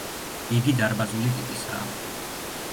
იგი დარბაზული ტიპისაა.